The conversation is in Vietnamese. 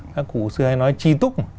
các cụ xưa hay nói chi túc